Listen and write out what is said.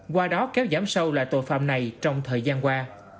qua đó kéo giảm sâu lại tội phạm này trong thời gian qua